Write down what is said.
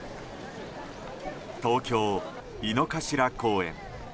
東京・井の頭公園。